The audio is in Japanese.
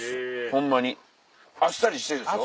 ホンマにあっさりしてるでしょ。